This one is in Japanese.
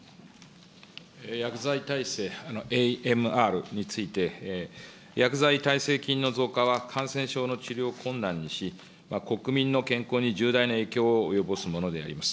薬剤耐性、ＡＭＲについて、薬剤耐性菌の増加は、感染症の治療を困難にし、国民の健康に重大な影響を及ぼすものであります。